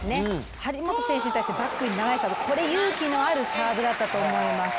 張本選手に対してバックに流した、これは勇気のあるサーブだったと思います。